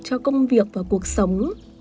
cho công việc và cuộc sống